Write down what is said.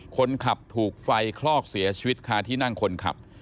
คนขับถูกไฟคลอกเสียชีวิตคาที่นั่งคนขับ